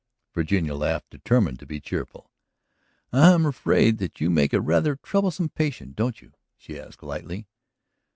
Virginia laughed, determined to be cheerful. "I am afraid that you make a rather troublesome patient, don't you?" she asked lightly.